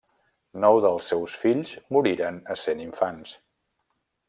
Nou dels seus fills moririen essent infants.